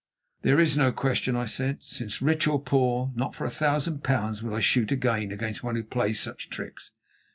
"There is no question," I said, "since, rich or poor, not for a thousand pounds would I shoot again against one who plays such tricks.